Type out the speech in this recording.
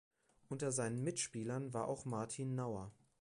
Unter seinen Mitspielern war auch Martin Nauer.